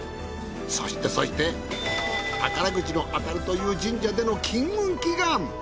そしてそして宝くじの当たるという神社での金運祈願。